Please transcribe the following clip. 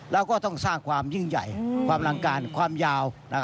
แล้วก็ต้องสร้างความยิ่งใหญ่ความลังการความยาว